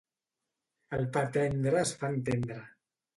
El pa tendre es fa entendre.